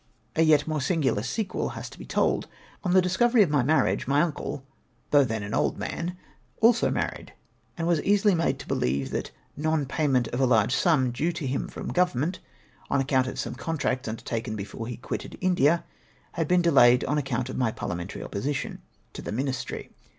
A yet more singular sequel has to be told. On the discovery of the marriage, my uncle, though then an old man, also married, and was easily made to beheve that non payment of a laige sum due to him from Government, on account of some contracts undertaken before he quitted India, had been delayed on account of my parhamentary opposition to 272 FAMILY RESULTS. tlie ]\iinistry.